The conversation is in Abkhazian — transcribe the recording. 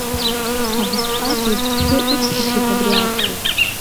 Абасҟак лыԥхӡы ықәҭәахьеит абри адгьыл.